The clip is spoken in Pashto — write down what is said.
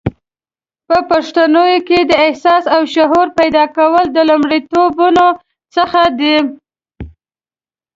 په پښتنو کې د احساس او شعور پیدا کول د لومړیتوبونو څخه دی